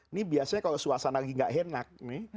ini biasanya kalau suasana lagi gak enak nih